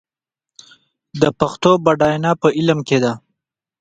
د پښتو بډاینه په علم کې ده.